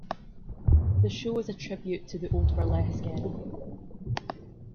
The show is a tribute to the old burlesque era.